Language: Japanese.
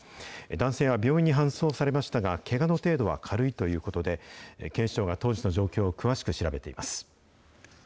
男性は病院に搬送されましたが、けがの程度は軽いということで、警視庁が当時の状況を詳しく調べています。